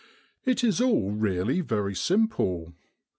It is all really very simple.